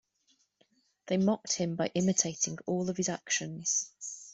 They mocked him by imitating all of his actions.